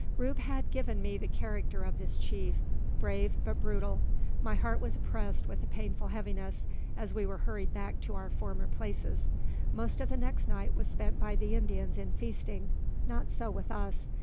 Rube had given me the character of this chief: brave, but brutal. My heart was oppressed with a painful heaviness as we were hurried back to our former places. Most of the next night was spent by the Indians in feasting. Not so with us.